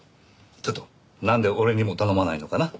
ちょっとなんで俺にも頼まないのかな？